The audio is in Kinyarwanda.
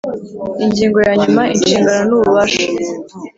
Ingingo ya nyuma Inshingano n ububasha